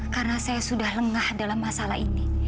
karena saya sudah lengah dalam masalah ini